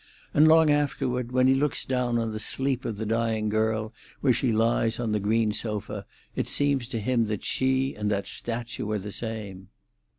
And long afterward, when he looks down on the sleep of the dying girl where she lies on the green sofa, it seems to him that she and that statue are the same?"